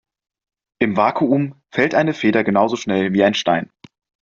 Im Vakuum fällt eine Feder genauso schnell wie ein Stein.